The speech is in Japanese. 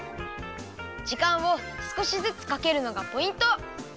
じかんをすこしずつかけるのがポイント。